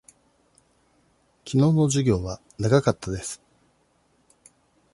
きのうの授業は長かったです。